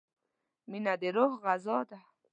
مینه د روح غذا ده.